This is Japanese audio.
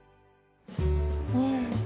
うん。